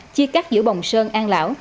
chia cắt giữa bồng sơn an lão